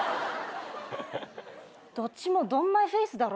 どっちもドンマイフェイスだろ。